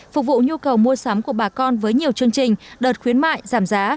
phục vụ nhu cầu mua sắm của bà con với nhiều chương trình đợt khuyến mại giảm giá